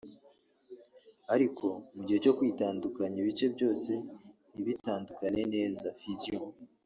ariko mu gihe cyo kwitandukanya ibice byose ntibitandukane neza (fission)